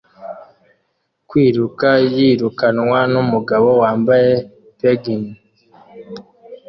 Kwiruka yirukanwa numugabo wambaye penguin